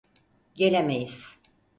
Gelemeyiz.